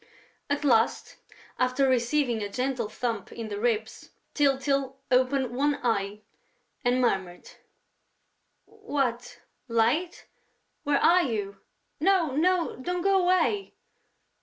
At last, after receiving a gentle thump in the ribs, Tyltyl opened one eye and murmured: "What?... Light?... Where are you?... No, no, don't go away...."